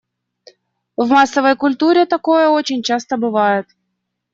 В массовой культуре такое очень часто бывает.